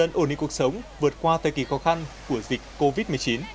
những người dân ổn định cuộc sống vượt qua thời kỳ khó khăn của dịch covid một mươi chín